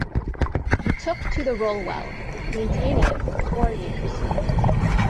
He took to the role well, maintaining it for four years.